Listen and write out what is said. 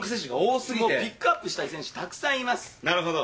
ピックアップしたい選手たくなるほど。